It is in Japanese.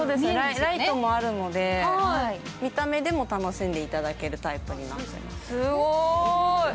ライトもあるので、見た目でも楽しんでいただけるタイプになっています。